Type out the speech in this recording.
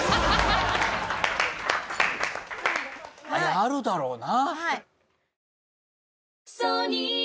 あるだろうな。